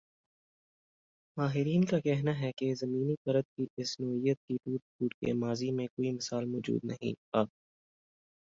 ماہرین کا کہنا ہی کہ زمینی پرت کی اس نوعیت کی ٹوٹ پھوٹ کی ماضی میں کوئی مثال موجود نہیں ا